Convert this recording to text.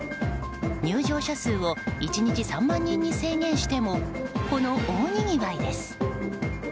入場者数を１日３万人に制限してもこの大にぎわいです。